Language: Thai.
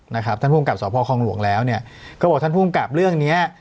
นะครับท่านผู้กลับสอบภาคองหลวงแล้วเนี้ยเขาบอกท่านผู้กลับเรื่องเนี้ย